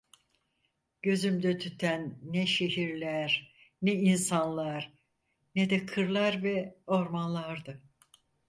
Gözümde tüten ne şehirler, ne insanlar, ne de kırlar ve ormanlardı.